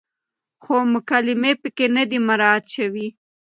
خو مکالمې پکې نه دي مراعت شوې،